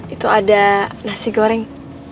itu ada nasi goreng